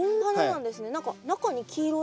何か中に黄色い。